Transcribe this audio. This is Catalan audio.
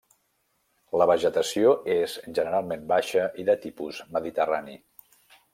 La vegetació és generalment baixa i de tipus mediterrani.